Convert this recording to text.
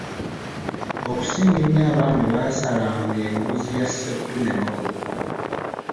Okusinga enyo abaami baasalanga embuzi ya sseddume n’olubugo.